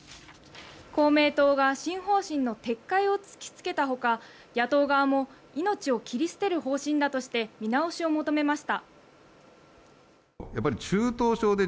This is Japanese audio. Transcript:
公明党が新方針の撤回を突きつけたほか野党側も命を切り捨てる方針だとして見直しを求めました。